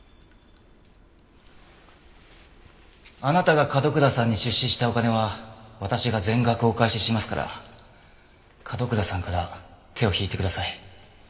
あなたが角倉さんに出資したお金は私が全額お返ししますから角倉さんから手を引いてください。